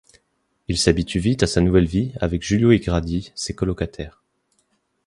Il s'habitue vite à sa nouvelle vie avec Julio et Grady, ses colocataires.